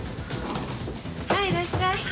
はいいらっしゃい。